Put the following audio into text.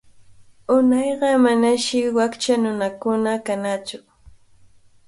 Unayqa manashi wakcha nunakuna kanaqtsu.